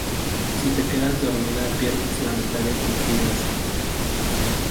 Si te quedas dormida pierdes la mitad de tus vidas.